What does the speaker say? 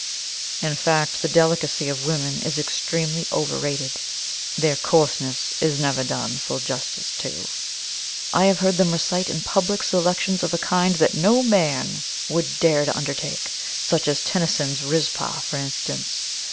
In fact, the delicacy of women is extremely overrated their coarseness is never done full justice to. I have heard them recite in public selections of a kind that no man would dare to undertake such as Tennyson's 'Rizpah,' for instance.